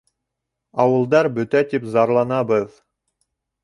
— Ауылдар бөтә тип зарланабыҙ.